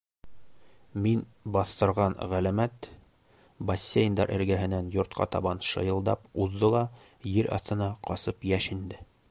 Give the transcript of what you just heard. Мин баҫтырған ғәләмәт... бассейндар эргәһенән йортҡа табан шыйылдап уҙҙы ла ер аҫтына ҡасып йәшенде.